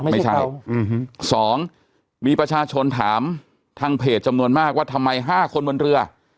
ไม่ใช่๒มีประชาชนถามทางเพจจำนวนมากว่าทำไม๕คนบนเรือ